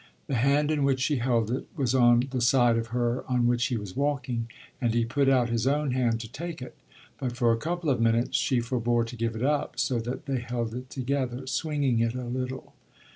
The hand in which she held it was on the side of her on which he was walking, and he put out his own hand to take it. But for a couple of minutes she forbore to give it up, so that they held it together, swinging it a little.